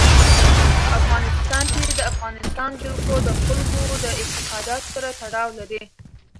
په افغانستان کې د افغانستان جلکو د خلکو د اعتقاداتو سره تړاو لري.